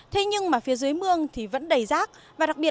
thế nhưng mà phía dưới mương thì vẫn đầy rác